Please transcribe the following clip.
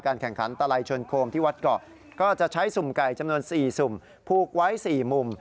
แข่งขันตะไลชนโคมที่วัดเกาะก็จะใช้สุ่มไก่จำนวน๔สุ่มผูกไว้๔มุม